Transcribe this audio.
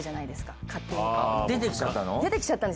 出てきちゃったの？